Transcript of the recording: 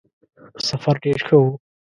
سفر ډېر ښه وو.